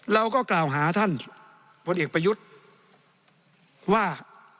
เราก็กล่าวหาท่านพลเอกประยุทธ์ว่า